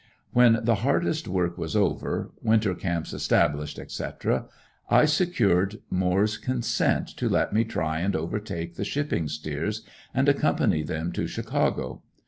When the hardest work was over winter camps established, etc., I secured Moore's consent to let me try and overtake the shipping steers, and accompany them to Chicago.